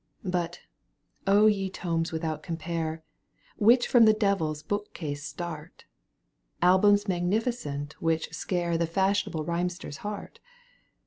But, ye tomea without compare, Which from the devil's bookcase start, Albums magnificent which scare The fashionable rhymester's heart